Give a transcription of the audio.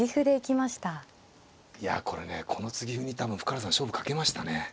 いやこれねこの継ぎ歩に多分深浦さん勝負懸けましたね。